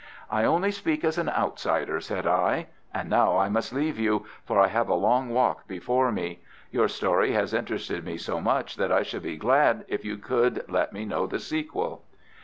"I only speak as an outsider," said I. "And now I must leave you, for I have a long walk before me. Your story has interested me so much that I should be glad if you could let me know the sequel."